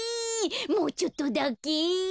もうちょっとだけ。